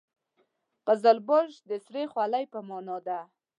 قزلباش د سرې خولۍ په معنا ده.